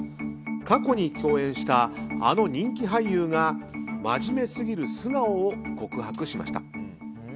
過去に共演したあの人気俳優がまじめすぎる素顔を告白しました。